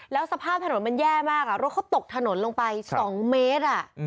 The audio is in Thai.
แล้วสภาพถนนมันแย่มากรถเขาตกถนนลงไป๒เมตร